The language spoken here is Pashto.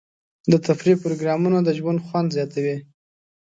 د تفریح پروګرامونه د ژوند خوند زیاتوي.